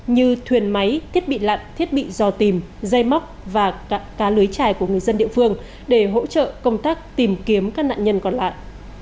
như thuyền máy thiết bị lặn thiết bị dò tìm dây móc và cá lưới trài của người dân địa phương để hỗ trợ công tác tìm kiếm các nạn nhân còn lại